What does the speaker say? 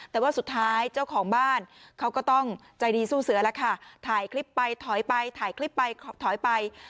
แต่ว่าสุดท้ายเจ้าของบ้านเขาก็ต้องใจดีสู้เสือแล้วค่ะถ่ายคลิปไปถอยไปถ่ายคลิปไปถอยไป